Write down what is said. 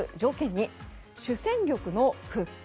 ２、主戦力の復帰。